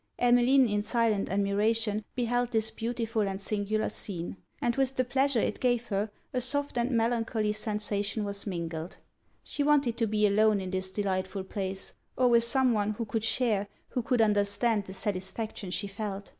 Emmeline in silent admiration beheld this beautiful and singular scene; and with the pleasure it gave her, a soft and melancholy sensation was mingled. She wanted to be alone in this delightful place, or with some one who could share, who could understand the satisfaction she felt.